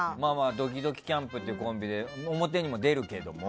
どきどきキャンプっていうコンビで表にも出るけども。